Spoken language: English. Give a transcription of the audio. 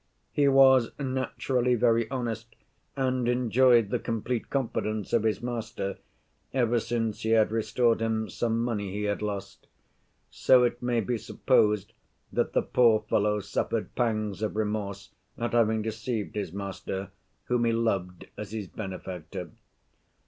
"He was naturally very honest and enjoyed the complete confidence of his master, ever since he had restored him some money he had lost. So it may be supposed that the poor fellow suffered pangs of remorse at having deceived his master, whom he loved as his benefactor.